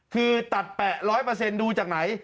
คือตัดแปะร้อยเปอร์เซ็นต์ดูจากไหน